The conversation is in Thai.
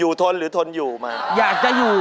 อยู่ทนหรือทนอยู่มั้ยอยากจะอยู่